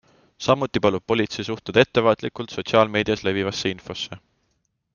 Samuti palub politsei suhtuda ettevaatlikult sotsiaalmeedias levivasse infosse.